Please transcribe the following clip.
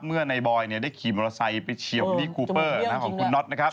เมื่อนายบอยได้ขี่มอเม็ดไปเชียวคุณน็อท